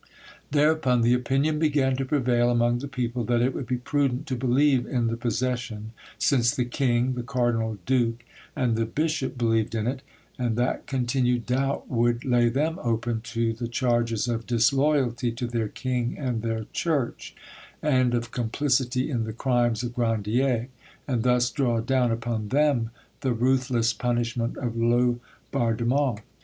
Thereupon the opinion began to prevail among the people that it would be prudent to believe in the possession, since the king, the cardinal duke, and the bishop believed in it, and that continued doubt would lay them open to the charges of disloyalty to their king and their Church, and of complicity in the crimes of Grandier, and thus draw down upon them the ruthless punishment of Laubardemont.